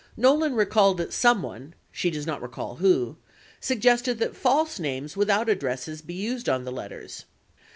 Nolan recalled that someone (she does not recall who) suggested that false names without addresses be used on the letters.